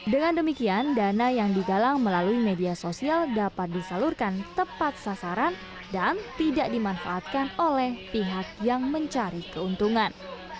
dengan demikian dana yang digalang melalui media sosial dapat disalurkan tepat sasaran dan tidak dimanfaatkan oleh pihak yang mencari keuntungan